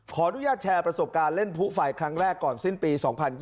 ขออนุญาตแชร์ประสบการณ์เล่นผู้ไฟครั้งแรกก่อนสิ้นปี๒๐๒๐